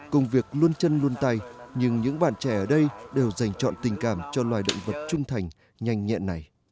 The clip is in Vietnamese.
công việc luôn chân luôn tay nhưng những bạn trẻ ở đây đều dành chọn tình cảm cho loài động vật trung thành nhanh nhẹn này